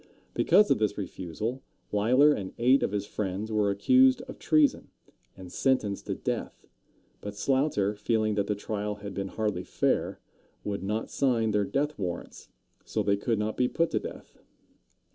Because of this refusal, Leisler and eight of his friends were accused of treason, and sentenced to death. But Sloughter, feeling that the trial had been hardly fair, would not sign their death warrants, so they could not be put to death.